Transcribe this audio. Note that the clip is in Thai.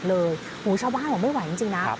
หมูชาวว่าผมไม่ไหวจริงนะ